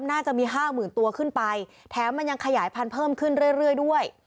น่าจะมีห้าหมื่นตัวขึ้นไปแถมมันยังขยายพันธุ์เพิ่มขึ้นเรื่อยด้วย